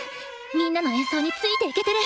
みんなの演奏についていけてる！